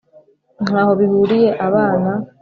ntaho bihuriye! abana